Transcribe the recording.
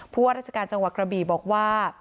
ว่าราชการจังหวัดกระบีบอกว่า